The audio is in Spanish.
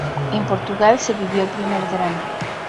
En Portugal se vivió el primer drama.